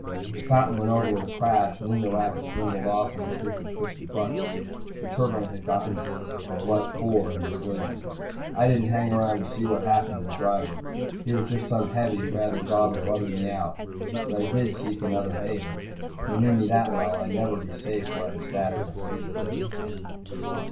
The fountain went over with a crash and then the racket dwindled off in the shriek of twisted buckets. The turbine had gotten what for in the collision. I didn't hang around to see what had happened to the driver. He was just some heavy who had the job of rubbing me out. But I did seek another haven. If they knew me that well, I'd never be safe where I had stashed my suitcase.